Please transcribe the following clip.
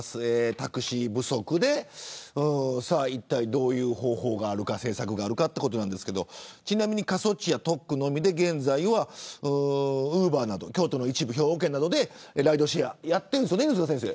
タクシー不足でいったいどういう方法があるか政策があるかということですがちなみに過疎地や特区のみで現在はウーバーなど京都の一部でライドシェアやっているんですよね。